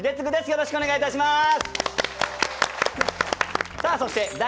よろしくお願いします。